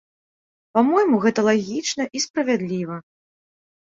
Па-мойму, гэта лагічна і справядліва.